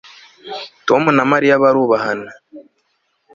Tom na Mariya barubahana